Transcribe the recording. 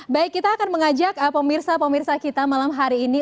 baik kita akan mengajak pemirsa pemirsa kita malam hari ini